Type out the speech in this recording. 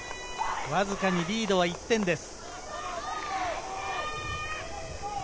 わずかにリードは１点です。